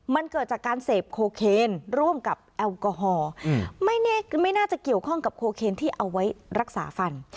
มันเกิดจากการเสพโคเคนร่วมกับแอลกอฮอล์ไม่น่าจะเกี่ยวข้องกับโคเคนที่เอาไว้รักษาฟัน